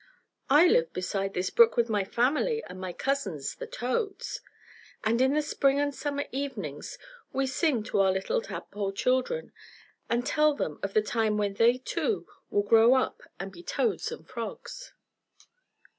"I live beside this brook with my family, and my cousins, the toads; and in the spring and summer evenings we sing to our little tadpole children, and tell them of the time when they, too, will grow up and be toads and frogs."